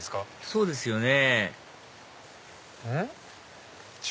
そうですよねうん？